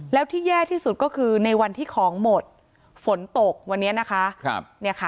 แล้วที่แย่ที่สุดก็คือในวันที่ของหมดฝนตกวันนี้นะคะ